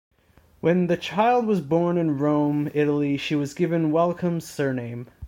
When the child was born in Rome, Italy, she was given Wellcome's surname.